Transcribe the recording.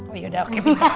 oh ya udah oke